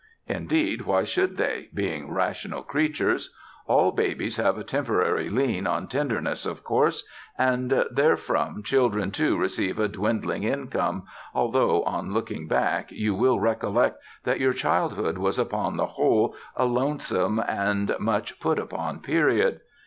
Indeed, why should they, being rational creatures? All babies have a temporary lien on tenderness, of course: and therefrom children too receive a dwindling income, although on looking back, you will recollect that your childhood was upon the whole a lonesome and much put upon period.